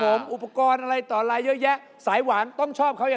หนึ่งปีใช่